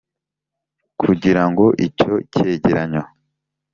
kugira ngo icyo cyegeranyo